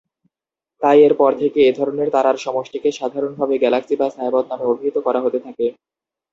তাই এর পর থেকে এধরনের তারার সমষ্টিকে সাধারণভাবে গ্যালাক্সি বা ছায়াপথ নামে অভিহিত করা হতে থাকে।